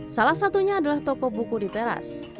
salah satunya adalah toko buku di teras